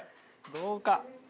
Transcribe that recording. どうか？